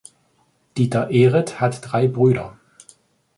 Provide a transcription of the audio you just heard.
Dieter Ehret hat drei Brüder.